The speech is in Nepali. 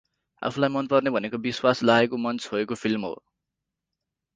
आफूलाई मन पर्ने भनेको विश्वास लागेको मन छोएको फिल्म हो ।